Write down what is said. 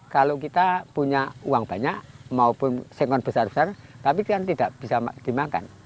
kalau kita punya uang banyak maupun sengon besar besar tapi kan tidak bisa dimakan